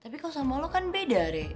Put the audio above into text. tapi kalau sama lo kan beda deh